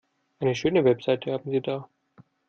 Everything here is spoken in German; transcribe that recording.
Eine schöne Website haben Sie da.